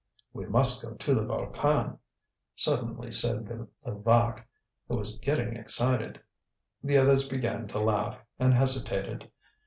"We must go to the Volcan!" suddenly said Levaque, who was getting excited. The others began to laugh, and hesitated.